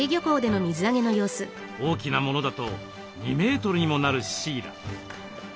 大きなものだと２メートルにもなるシイラ。